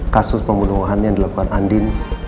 kasus pembunuhan yang dilakukan andin